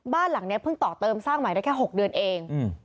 บ้านหลังนี้เพิ่งต่อเติมสร้างใหม่ได้แค่๖เดือนเอง